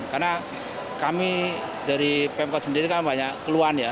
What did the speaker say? karena kami dari pemkot sendiri kan banyak keluhan ya